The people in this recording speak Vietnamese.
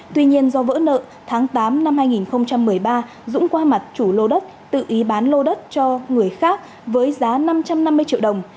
tuy nhiên do vỡ nợ tháng tám năm hai nghìn một mươi ba dũng qua mặt chủ lô đất tự ý bán lô đất cho người khác với giá năm trăm năm mươi triệu đồng